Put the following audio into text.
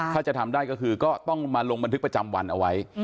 ถ้าจะทำได้ก็คือก็ต้องมาลงบันทึกประจำวันเอาไว้